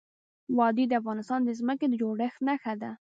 وادي د افغانستان د ځمکې د جوړښت نښه ده.